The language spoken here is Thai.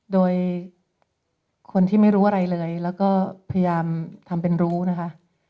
โดยคนที่ไม่รู้อะไรเลยแล้วก็พยายามทำเป็นรู้นะคะ